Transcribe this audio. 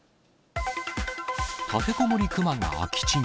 立てこもりクマが空き地に。